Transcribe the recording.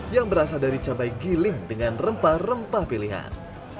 yang berasal dari cabai giling dengan rempah rempah pilihan